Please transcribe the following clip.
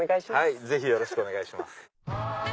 はいぜひよろしくお願いします。